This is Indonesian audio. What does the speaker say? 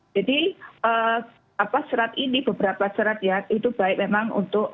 serat ini beberapa serat ya itu baik memang untuk